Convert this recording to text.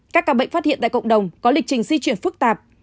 các ca bệnh phát hiện tại cộng đồng có lịch trình di chuyển phức tạp